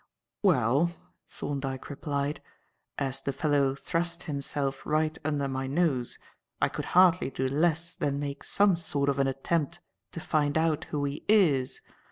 "Well," Thorndyke replied, "as the fellow thrust himself right under my nose, I could hardly do less than make some sort of an attempt to find out who he is.